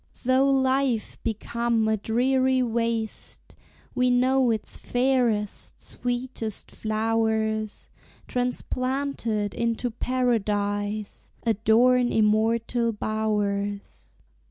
Though life become a dreary waste, We know its fairest, sweetest flowers, Transplanted into paradise, Adorn immortal bowers.